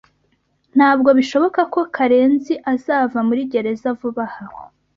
Ntabwo bishoboka ko Karenziazava muri gereza vuba aha.